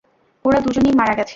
ওরা দুইজনেই মারা গেছে।